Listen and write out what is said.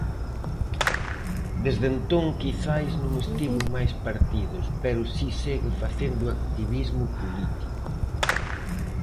Desde entón quizais non estivo en máis partidos pero si segue facendo activismo político.